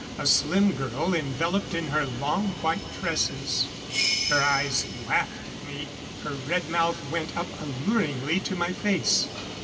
A slim girl, enveloped in her long, white tresses. Her eyes laughed at me; her red mouth went up alluringly to my face.